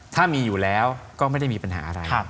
ถ้ามีอยู่แล้วก็ไม่ได้มีปัญหาอะไร